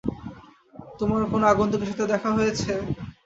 তোমার কোন আগন্তুকের সাথে দেখা হয়েছে?